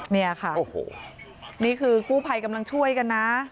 นี่ค่ะนี่คือกู้ภัยกำลังช่วยกันนะ